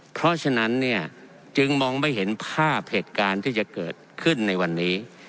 เพราะฉะนั้นเนี่ยจึงมองไม่เห็นภาพเหตุการณ์ที่จะเกิดขึ้นในวันนี้